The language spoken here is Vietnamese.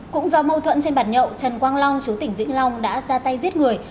cũng do mâu thuẫn trên bản nhậu trần quang long chú tỉnh vĩnh long đã ra tay giết người